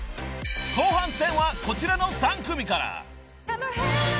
［後半戦はこちらの３組から］